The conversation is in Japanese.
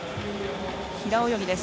平泳ぎです。